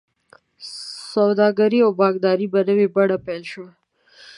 سوداګري او بانکداري په نوې بڼه پیل شوه.